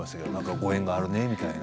ご縁があるねみたいな。